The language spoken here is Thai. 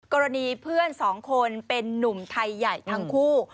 กรณีเพื่อนสองคนเป็นนุ่มไทยใหญ่ทั้งคู่